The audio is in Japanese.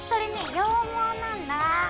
羊毛なんだ。